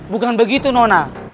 bukan begitu nona